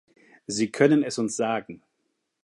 Sie können es uns sagen.